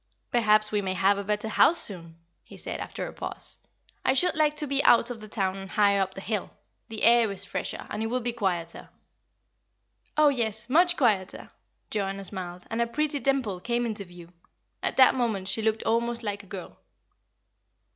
"Perhaps we may have a better house soon!" he said, after a pause. "I should like to be out of the town and higher up the hill. The air is fresher, and it would be quieter." "Oh, yes, much quieter!" Joanna smiled, and a pretty dimple came into view; at that moment she looked almost like a girl.